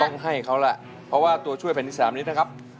ต้องให้เขาล่ะเพราะว่าตัวช่วยแผ่นที่๓นี้นะครับ